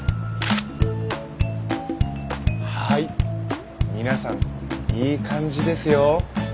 はい皆さんいい感じですよ。